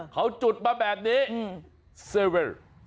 เขาจุดมาแบบนี้